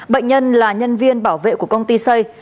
bệnh nhân là nhân viên bảo vệ của công ty xây